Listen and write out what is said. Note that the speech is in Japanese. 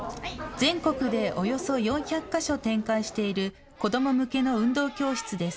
全国でおよそ４００か所展開している子ども向けの運動教室です。